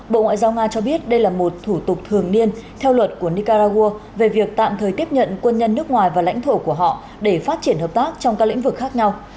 bộ ngoại giao nga cho biết đây là một thủ tục thường niên theo luật của nicaragua về việc tạm thời tiếp nhận quân nhân nước ngoài và lãnh thổ của họ để phát triển hợp tác trong các lĩnh vực khác nhau